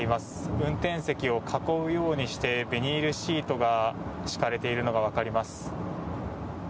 運転席を囲うようにしてビニールシートが敷かれているのがわかります。